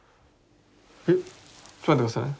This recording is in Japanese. えちょっと待って下さい。